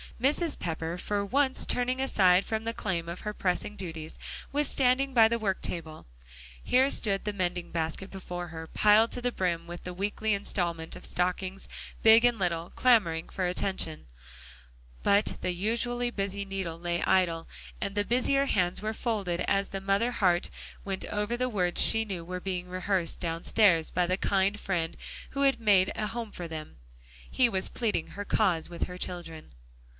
Mrs. Pepper for once turning aside from the claim of her pressing duties, was standing by the work table. Here stood the mending basket before her, piled to the brim with the weekly installment of stockings big and little, clamoring for attention. But the usually busy needle lay idle, and the busier hands were folded, as the mother heart went over the words she knew were being rehearsed downstairs by the kind friend who had made a home for them. He was pleading her cause with her children.